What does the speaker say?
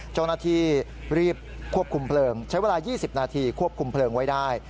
เจ้าหน้าที่รีบควบคุมเพลิงใช้เวลา๒๐นาทีควบคุมเพลิงไว้ได้